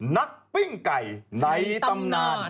ปิ้งไก่ในตำนาน